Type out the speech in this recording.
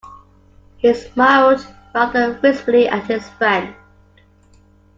He smiled rather wistfully at his friend.